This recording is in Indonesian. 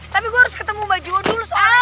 tapi gue harus ketemu mbak jiwo dulu soalnya